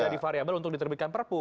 sudah divariabel untuk diterbitkan perpu